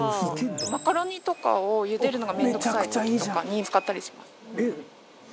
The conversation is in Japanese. マカロニとかを茹でるのが面倒くさい時とかに使ったりします。